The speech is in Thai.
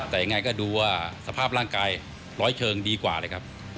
แต่ยังไงก็ดูว่าสภาพร่างกายร้อยเชิงดีกว่าเลยครับ